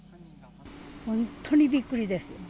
本当にびっくりです。